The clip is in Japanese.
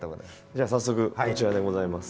じゃあ早速こちらでございます。